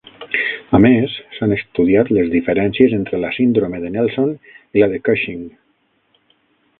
A més, s'han estudiat les diferències entre la síndrome de Nelson i la de Cushing.